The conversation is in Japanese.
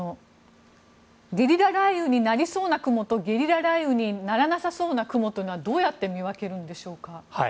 ゲリラ雷雨になりそうな雲とゲリラ雷雨にならなさそうな雲というのはどうやって見分けるんでしょうか。